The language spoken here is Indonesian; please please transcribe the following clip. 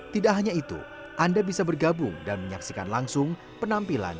tidak hanya itu anda bisa bergabung dan menyaksikan langsung penampilan